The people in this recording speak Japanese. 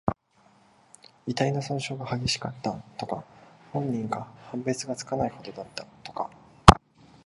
遺体の損傷が激しかった、とか。本人か判別がつかないほどだった、とか。